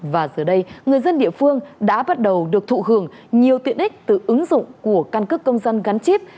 và giờ đây người dân địa phương đã bắt đầu được thụ hưởng nhiều tiện ích từ ứng dụng của căn cước công dân gắn chip